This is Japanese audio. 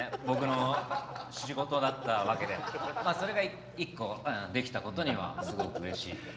僕の仕事だったわけでまあそれが１個できたことにはすごく嬉しい